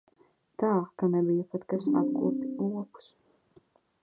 Tā ka nebija pat kas apkopj lopus.